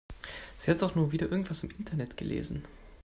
Sie hat doch nur wieder irgendwas im Internet gelesen.